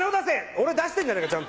俺出してんじゃねえか。